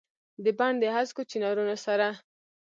دبڼ دهسکو چنارونو سره ،